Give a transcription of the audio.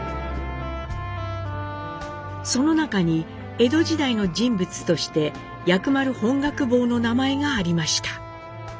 その中に江戸時代の人物として薬丸本覚坊の名前がありました。